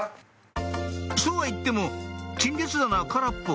そうは言っても陳列棚は空っぽ